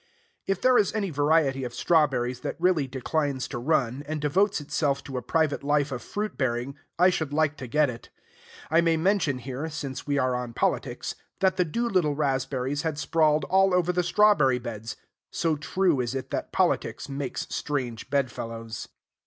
If there is any variety of strawberries that really declines to run, and devotes itself to a private life of fruit bearing, I should like to get it. I may mention here, since we are on politics, that the Doolittle raspberries had sprawled all over the strawberry bed's: so true is it that politics makes strange bedfellows.